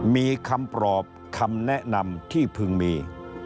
มีคำปลอบคำแนะนำที่พึงมี